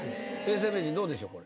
永世名人どうでしょう？